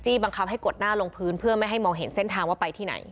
บังคับให้กดหน้าลงพื้นเพื่อไม่ให้มองเห็นเส้นทางว่าไปที่ไหน